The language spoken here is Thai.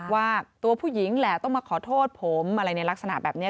ว่าตัวผู้หญิงแหละต้องมาขอโทษผมอะไรในลักษณะแบบนี้